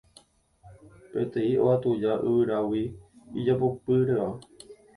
Peteĩ óga tuja yvyrágui ijapopyréva